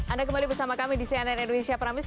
anda kembali bersama kami di cnn indonesia prime news